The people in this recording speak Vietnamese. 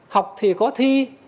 học thì có thi